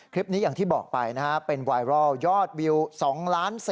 คลิปนี้อย่างที่บอกไปนะเป็นไวรัลยอดวิว๒ล้าน๔